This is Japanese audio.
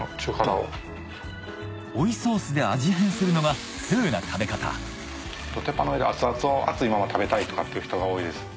追いソースで味変するのが通な食べ方鉄板の上で熱々を熱いまま食べたいとかっていう人が多いです。